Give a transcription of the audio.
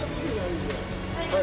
はい。